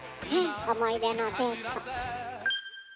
思い出のデート。